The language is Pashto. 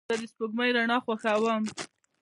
زه د سپوږمۍ رڼا خوښوم.